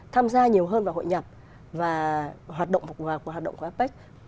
tham gia nhiều hơn vào hội nhập và hoạt động của apec